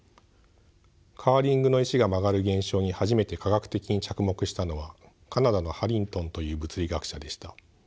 カーリングの石が曲がる現象に初めて科学的に着目したのはカナダのハリントンという物理学者でした。